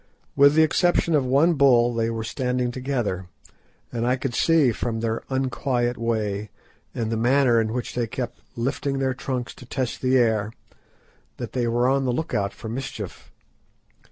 With the exception of one bull, they were standing together, and I could see, from their unquiet way and the manner in which they kept lifting their trunks to test the air, that they were on the look out for mischief.